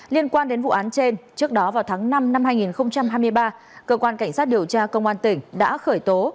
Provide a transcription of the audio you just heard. liên quan đến vụ án trên trước đó vào tháng năm năm hai nghìn hai mươi ba cơ quan cảnh sát điều tra công an tỉnh đã khởi tố